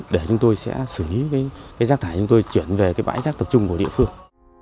để chúng tôi sẽ xử lý rác thải chúng tôi chuyển về cái bãi rác tập trung của địa phương